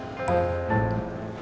sampai jumpa lagi